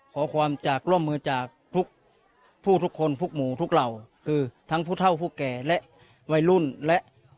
ขอความจากร่วมมือจากทุกผู้ทุกคนทุกหมู่ทุกเหล่าคือทั้งผู้เท่าผู้แก่และวัยรุ่นและ